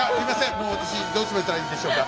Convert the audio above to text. もう私どうしましたらいいんでしょうか。